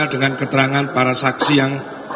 dengan keterangan para saksi yang